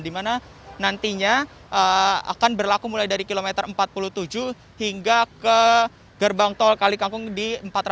di mana nantinya akan berlaku mulai dari kilometer empat puluh tujuh hingga ke gerbang tol kalikangkung di empat ratus enam puluh